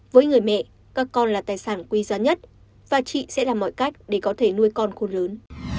với người mẹ các con là tài sản quý giá nhất và chị sẽ làm mọi cách để có thể nuôi con khô lớn